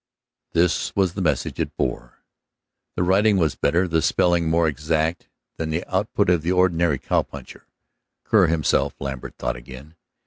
_ This was the message it bore. The writing was better, the spelling more exact than the output of the ordinary cow puncher. Kerr himself, Lambert thought again.